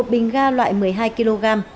một bình ga loại một mươi hai kg